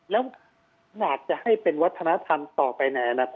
แล้วอยากจะให้เป็นวัฒนธรรมต่อไปในอนาคต